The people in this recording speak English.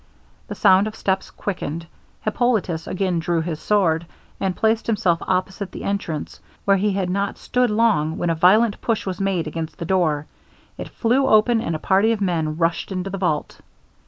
The sound of steps quickened. Hippolitus again drew his sword, and placed himself opposite the entrance, where he had not stood long, when a violent push was made against the door; it flew open, and a party of men rushed into the vault.